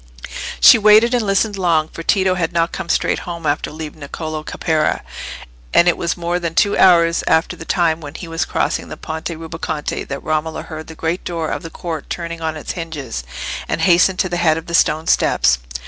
She waited and listened long, for Tito had not come straight home after leaving Niccolò Caparra, and it was more than two hours after the time when he was crossing the Ponte Rubaconte that Romola heard the great door of the court turning on its hinges, and hastened to the head of the stone steps.